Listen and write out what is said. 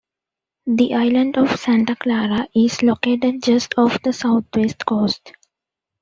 The island of Santa Clara is located just off the southwest coast.